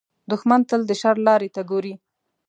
دښمن تل د شر لارې ته ګوري